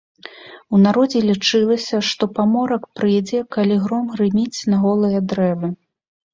У народзе лічылася, што паморак прыйдзе, калі гром грыміць на голыя дрэвы.